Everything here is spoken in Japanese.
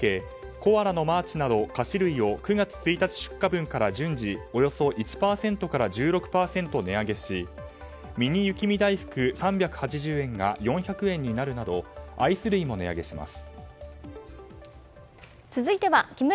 コアラのマーチなど菓子類を９月１日出荷分から順次およそ１％から１６％値上げしミニ雪見だいふく３８０円が４００円になるなど今ファミマで１個買うと１個もらえるもらえるっ！！